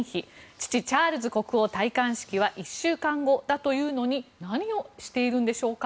父・チャールズ国王の戴冠式は１週間後だというのに何をしているんでしょうか。